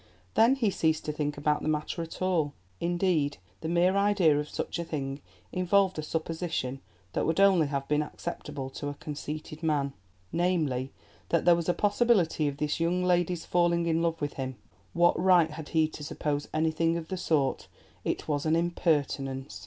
Then he ceased to think about the matter at all. Indeed, the mere idea of such a thing involved a supposition that would only have been acceptable to a conceited man—namely, that there was a possibility of this young lady's falling in love with him. What right had he to suppose anything of the sort? It was an impertinence.